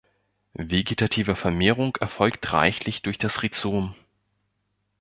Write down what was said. Vegetative Vermehrung erfolgt reichlich durch das Rhizom.